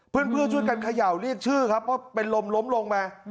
เพื่อนช่วยกันเขย่าเรียกชื่อครับเพราะเป็นลมล้มลงมา